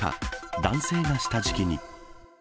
男性が下敷きに。